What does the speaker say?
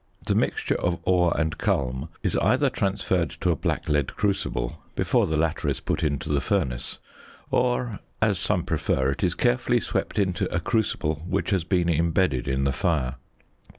The mixture of ore and culm is either transferred to a black lead crucible before the latter is put into the furnace, or, as some prefer, it is carefully swept into a crucible which has been imbedded in the fire.